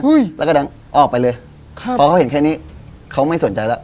เห้ยแล้วก็ดังออกไปเลยครับเพราะเขาเห็นแค่นี้เขามั้ยสนใจแล้ว